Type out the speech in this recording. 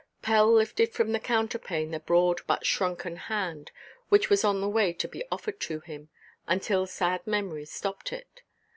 Pell lifted from the counterpane the broad but shrunken hand, which was on the way to be offered to him, until sad memory stopped it.